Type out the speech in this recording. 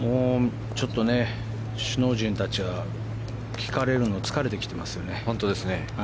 ちょっとね、首脳陣たちは聞かれるの疲れてきてますよね。